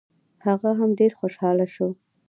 هغه هم ډېر خوشحاله شو.